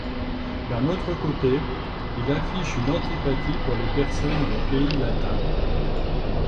D'un autre côté, il affiche une antipathie pour les personnes des pays latins.